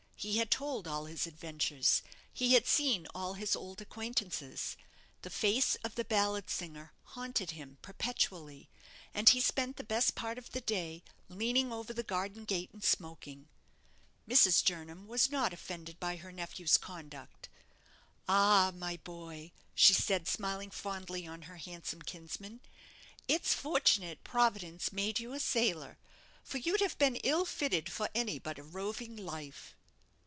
He had told all his adventures; he had seen all his old acquaintances. The face of the ballad singer haunted him perpetually; and he spent the best part of the day leaning over the garden gate and smoking. Mrs. Jernam was not offended by her nephew's conduct. "Ah! my boy," she said, smiling fondly on her handsome kinsman, "it's fortunate Providence made you a sailor, for you'd have been ill fitted for any but a roving life."